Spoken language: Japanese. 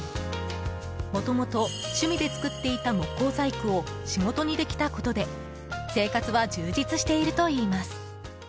もともと趣味で作っていた木工細工を仕事にできたことで生活は充実しているといいます。